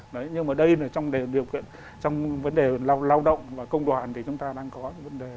đấy nhưng mà đây là trong điều kiện trong vấn đề lao động và công đoàn thì chúng ta đang có những vấn đề